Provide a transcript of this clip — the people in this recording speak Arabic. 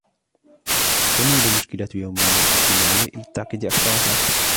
تميل مشكلات يومنا الاجتماعية إلى التعقيد أكثر فأكثر.